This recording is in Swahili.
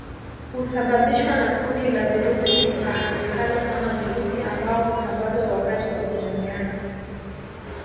Husababishwa na kundi la virusi lifahamikalo kama virusi ambao husambazwa wakati wa kujamiiana